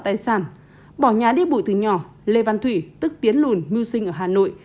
tài sản bỏ nhà đi bụi từ nhỏ lê văn thủy tức tiến lùn mưu sinh ở hà nội